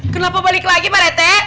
kenapa balik lagi mbak rete